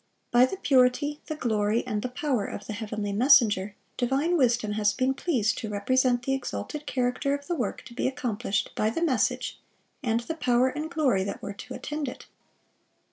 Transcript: By the purity, the glory, and the power of the heavenly messenger, divine wisdom has been pleased to represent the exalted character of the work to be accomplished by the message, and the power and glory that were to attend it.